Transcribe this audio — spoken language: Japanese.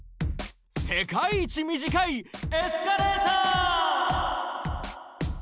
世界一短いエスカレーター！